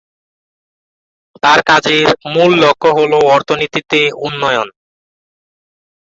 তার কাজের মূল লক্ষ্য হলো অর্থনীতিতে উন্নয়ন।